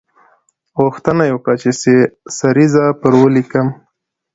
غوښتنه یې وکړه چې سریزه پر ولیکم.